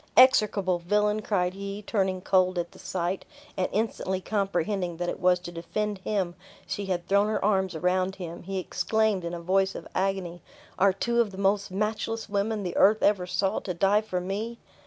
"Execrable villain!" cried he, turning cold at the sight, and instantly comprehending that it was to defend him she had thrown her arms around him, he exclaimed, in a voice of agony, "Are two of the most matchless women the earth ever saw to die for me!"